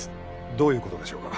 どういう事でしょうか？